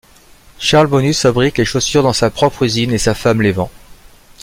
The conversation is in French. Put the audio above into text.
Charles Bonus fabrique les chaussures dans sa propre usine et sa femme les vend.